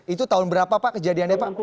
itu tahun berapa pak kejadiannya pak